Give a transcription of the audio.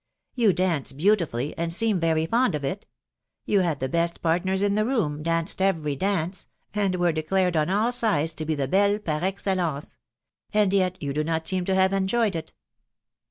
You dance beantifutty, and. seem very fand «f itj fyou Jbad the best partners in the Toom, danced every <&&«$, and were declared. on all sides to be the betie par *wGeHemoe9 .... andfyetyou do not seem to hare en joyed it."